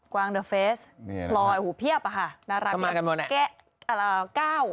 กวางเตอร์เฟสปลอยหูเพียบอ่ะฮะน่ารักแก้ว